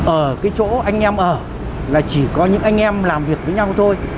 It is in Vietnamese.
ở cái chỗ anh em ở là chỉ có những anh em làm việc với nhau thôi